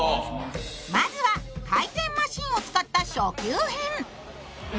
まずは回転マシーンを使った初級編。